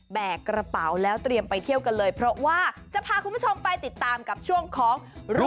กระเป๋าแล้วเตรียมไปเที่ยวกันเลยเพราะว่าจะพาคุณผู้ชมไปติดตามกับช่วงของ